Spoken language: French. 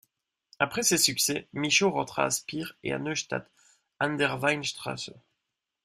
Après ces succès, Michaud rentra à Spire et à Neustadt an der Weinstraße.